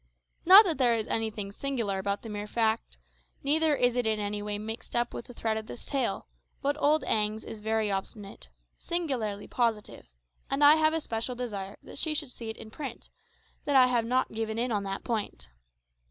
Not that there is anything singular about the mere fact, neither is it in any way mixed up with the thread of this tale; but old Agnes is very obstinate singularly positive and I have a special desire that she should see it in print, that I have not given in on that point.